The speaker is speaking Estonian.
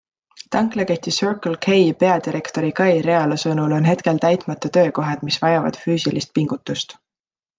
Tanklaketi Circle K peadirektori Kai Realo sõnul on hetkel täitmata töökohad, mis vajavad füüsilist pingutust.